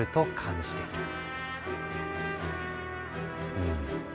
うん。